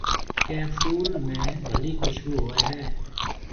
ڪيَ ڦول ۾ ڀلِي کشڀوُ هوئي هيَ۔